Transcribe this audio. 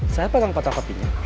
saya pegang patah patihnya